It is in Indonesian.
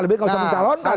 lebih nggak usah mencalonkan